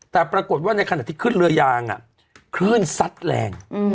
แต่ปรากฏว่าในขณะที่ขึ้นเรือยางคลื่นซัดแรง